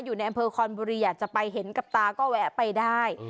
อยู่ในอำเภอคอนบุรีอยากจะไปเห็นกับตาก็แวะไปได้